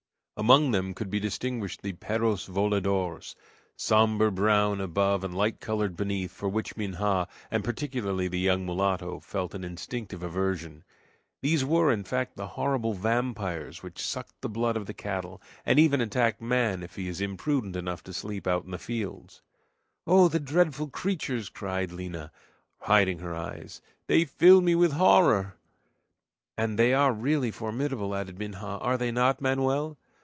Among them could be distinguished the "perros voladors," somber brown above and light colored beneath, for which Minha, and particularly the young mulatto, felt an instinctive aversion. These were, in fact, the horrible vampires which suck the blood of the cattle, and even attack man if he is imprudent enough to sleep out in the fields. "Oh, the dreadful creatures!" cried Lina, hiding her eyes; "they fill me with horror!" "And they are really formidable," added Minha; "are they not, Manoel?"